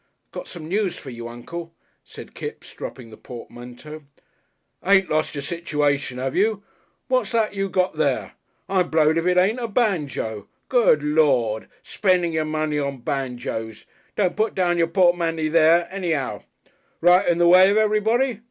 "Got some news for you, Uncle," said Kipps, dropping the portmanteau. "Ain't lost your situation, 'ave you? What's that you got there? I'm blowed if it ain't a banjo. Goo lord! Spendin' your money on banjoes! Don't put down your portmanty there anyhow. Right in the way of everybody.